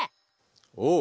おう。